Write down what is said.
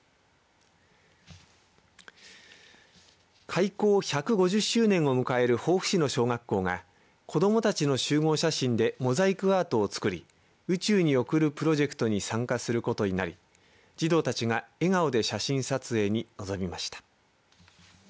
開校１５０周年を迎える防府市の小学校が子どもたちの集合写真でモザイクアートを作り宇宙に送るプロジェクトに参加することになり児童たちが笑顔で写真撮影に臨みました。